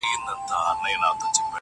خو هيڅ نه سي ويلای تل